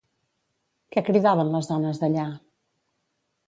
Què cridaven les dones d'allà?